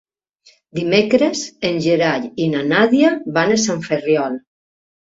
Dimecres en Gerai i na Nàdia van a Sant Ferriol.